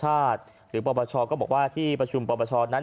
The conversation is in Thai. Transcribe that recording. หรือปปชก็บอกว่าที่ประชุมปปชนั้น